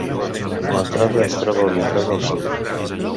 L'entrada es troba orientada al sud.